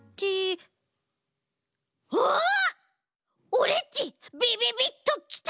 オレっちびびびっときた！